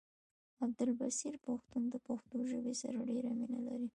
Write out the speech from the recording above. عبدالبصير پښتون د پښتو ژبې سره ډيره مينه لري